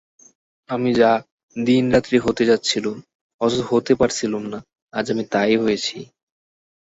আমি যা দিন-রাত্রি হতে চাচ্ছিলুম অথচ হতে পারছিলুম না, আজ আমি তাই হয়েছি।